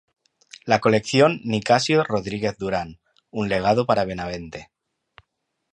La colección "Nicasio Rodríguez Duran" un legado para Benavente.